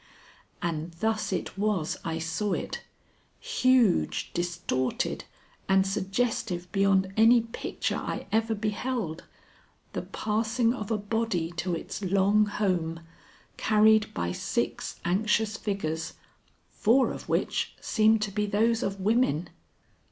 And thus it was I saw it, huge, distorted, and suggestive beyond any picture I ever beheld, the passing of a body to its long home, carried by six anxious figures, four of which seemed to be those of women.